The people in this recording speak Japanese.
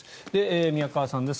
宮川さんです。